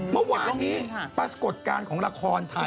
เมื่อวานนี้ปรากฏการณ์ของละครไทย